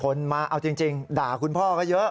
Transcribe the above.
คนมาเอาจริงด่าคุณพ่อก็เยอะ